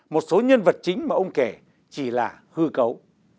một số nhân vật chính mà ông kể chỉ là hư cấu